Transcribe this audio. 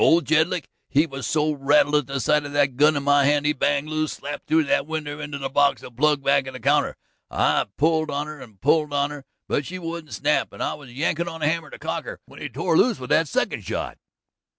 Old Jedlick he was so rattled at the sight of that gun in my hand he banged loose, slap through the winder into that box of plug back of the counter. I pulled on her and pulled on her, but she wouldn't snap, and I was yankin' at the hammer to cock her when he tore loose with that second shot.